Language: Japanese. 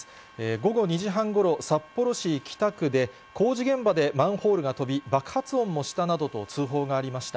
午後２時半ごろ、札幌市北区で、工事現場でマンホールが飛び、爆発音もしたなどと、通報がありました。